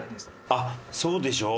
「あっそうでしょ」。